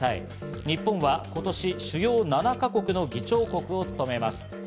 日本は今年、主要７か国の議長国を務めます。